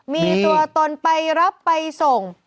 มีตัวตนไปรับไปส่ง